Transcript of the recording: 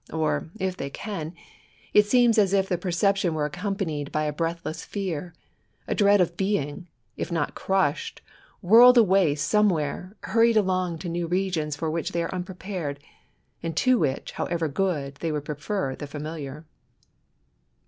Or, if they can, it seems as if the perception were accompanied by a breathless fear, — a dread of being, if not crushed, whirled away somewhere, hurried along to new regions for which they are unprepared, and to which, however good, they would prefer the familiar.